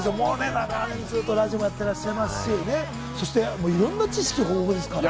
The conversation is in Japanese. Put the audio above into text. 長年ラジオもずっとやってらっしゃいますし、いろんな知識豊富がですからね。